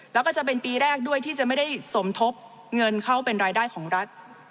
แล้วก็จะเป็นปีแรกด้วยที่จะไม่ได้สมทบเงินเข้าเป็นรายได้ของรัฐ